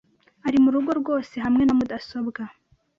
Ari murugo rwose hamwe na mudasobwa .